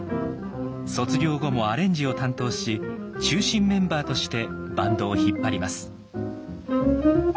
卒業後もアレンジを担当し中心メンバーとしてバンドを引っ張ります。